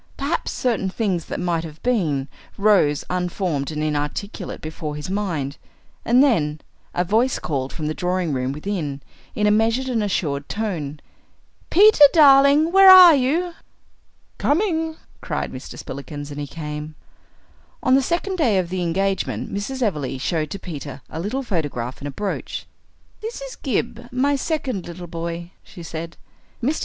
Perhaps certain things that might have been rose unformed and inarticulate before his mind. And then, a voice called from the drawing room within, in a measured and assured tone, "Peter, darling, where are you?" "Coming," cried Mr. Spillikins, and he came. On the second day of the engagement Mrs. Everleigh showed to Peter a little photograph in a brooch. "This is Gib, my second little boy," she said. Mr.